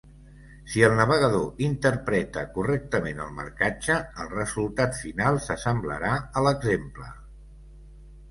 Si el navegador interpreta correctament el marcatge, el resultat final s'assemblarà a l'exemple.